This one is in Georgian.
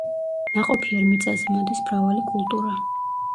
ნაყოფიერ მიწაზე მოდის მრავალი კულტურა.